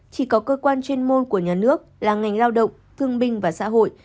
chỉ có cơ quan chuyên môn của nhà nước là ngành lao động thương binh và xã hội